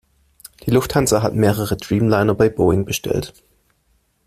Die Lufthansa hat mehrere Dreamliner bei Boeing bestellt.